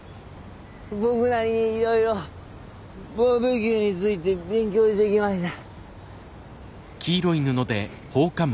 僕なりにいろいろバーベキューについて勉強してきました。